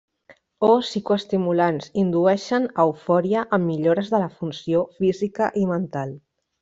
O psicoestimulants, indueixen eufòria amb millores de la funció física i mental.